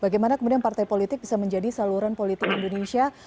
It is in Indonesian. bagaimana kemudian partai politik bisa menjadi saluran politik indonesia